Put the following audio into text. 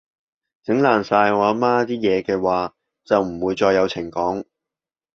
整爛晒我阿媽啲嘢嘅話，就唔會再有情講